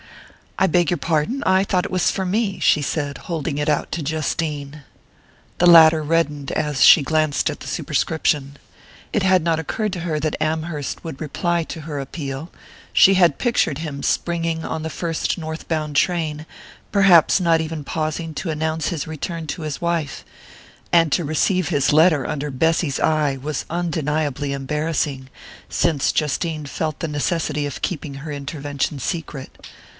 "I beg your pardon! I thought it was for me," she said, holding it out to Justine. The latter reddened as she glanced at the superscription. It had not occurred to her that Amherst would reply to her appeal: she had pictured him springing on the first north bound train, perhaps not even pausing to announce his return to his wife.... And to receive his letter under Bessy's eye was undeniably embarrassing, since Justine felt the necessity of keeping her intervention secret.